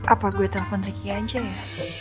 apa gue telpon ricky aja ya